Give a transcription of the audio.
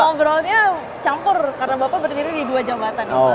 ngomongnya campur karena bapak berdiri di dua jambatan